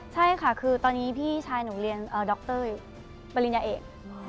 ใช่ค่ะคือตอนนี้พี่ชายหนูเรียนดรปริญญาเอก